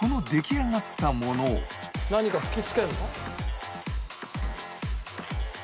この何か吹きつけるの？